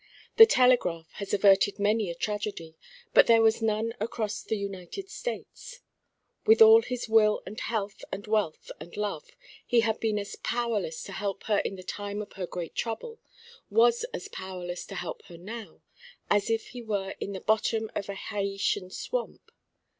The telegraph has averted many a tragedy, but there was none across the United States. With all his will and health and wealth and love, he had been as powerless to help her in the time of her great trouble, was as powerless to help her now, as if he were in the bottom of a Haytian swamp.